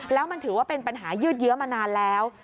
แล้วมันถือว่าเป็นปัญหายืดเยอะมานานแล้ว